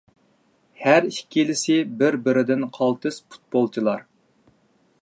ھەر ئىككىلىسى بىر-بىرىدىن قالتىس پۇتبولچىلار.